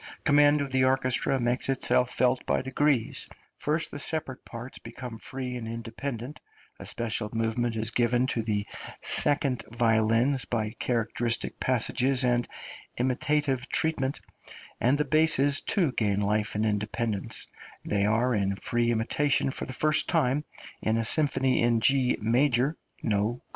Command of the orchestra makes itself felt by degrees; first the separate parts become free and independent, a special movement is given to the second violins by characteristic passages and imitative treatment, and the basses too gain life and independence; they are in free imitation for the first time in a Symphony in G major (no K.)